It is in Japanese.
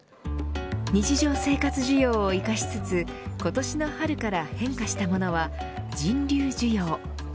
日常生活需要を生かしつつ今年の春から変化したものは人流需要。